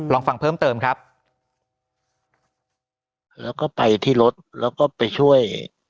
ลองฟังเพิ่มเติมครับแล้วก็ไปที่รถแล้วก็ไปช่วย